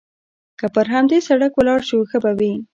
که پر همدې سړک ولاړ شو، ښه به وي.